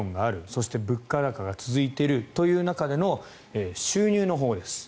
そして、物価高が続いているという中での収入のほうです。